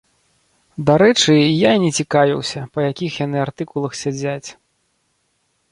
Дарэчы, я і не цікавіўся, па якіх яны артыкулах сядзяць.